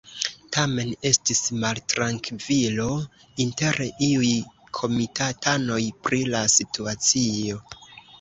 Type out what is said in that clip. Tamen estis maltrankvilo inter iuj komitatanoj pri la situacio.